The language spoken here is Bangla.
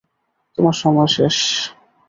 তোমার সময় শেষ।